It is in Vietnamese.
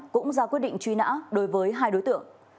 cũng ra quyết định truy nã đối với hai đối tượng